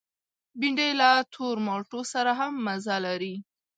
بېنډۍ له تور مالټو سره هم مزه لري